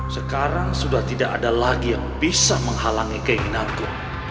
sekarang sudah tidak ada lagi yang bisa menghalangi keinginanku